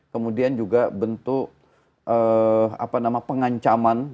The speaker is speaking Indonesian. kemudian juga bentuk pengancaman